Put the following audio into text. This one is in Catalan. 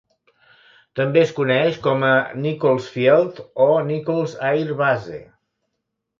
També es coneix com a Nichols Field o Nichols Air Base.